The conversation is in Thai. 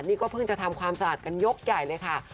นี่ก็เพิ่งจะทำความสะอาดกันยกใหญ่เลยค่ะ